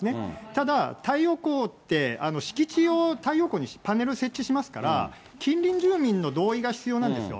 ただ、太陽光って、敷地を太陽光に、パネル設置しますから、近隣住民の同意が必要なんですよ。